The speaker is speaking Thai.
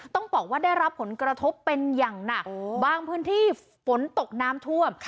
ต้องบอกว่าได้รับผลกระทบเป็นอย่างหนักบางพื้นที่ฝนตกน้ำท่วม